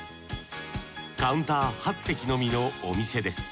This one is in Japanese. カウンター８席のみのお店です。